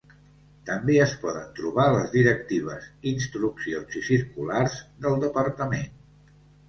També es poden trobar les directives, instruccions i circulars del Departament.